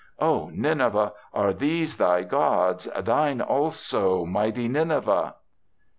"O Nineveh, are these thy gods, Thine also, mighty Nineveh?"